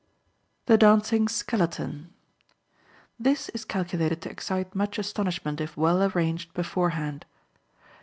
The Dancing Skeleton.—This is calculated to excite much astonishment, if well arranged beforehand.